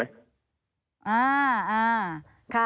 อ่าค่ะ